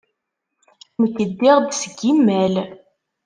Nekk ddiɣ-d seg yimal.